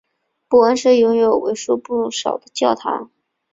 波恩市拥有为数不少的教堂。